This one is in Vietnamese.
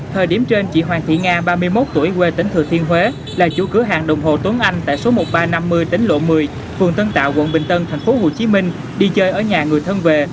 thời điểm trên chị hoàng thị nga ba mươi một tuổi quê tỉnh thừa thiên huế là chủ cửa hàng đồng hồ tuấn anh tại số một nghìn ba trăm năm mươi tính lộ một mươi phường tân tạo quận bình tân tp hcm đi chơi ở nhà người thân về